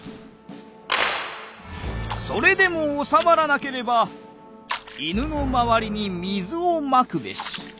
「それでも収まらなければ犬の周りに水をまくべし」。